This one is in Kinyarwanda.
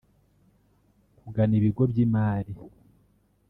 kugana ibigo by’imari